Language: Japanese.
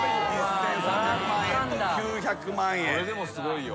それでもすごいよ。